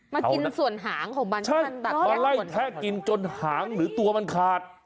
มันกินส่วนหางของบางคนใช่มันไล่แทะกินจนหางหรือตัวมันขาด